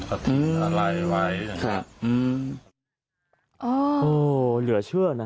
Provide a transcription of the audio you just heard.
ครับครับครับครับครับครับครับครับ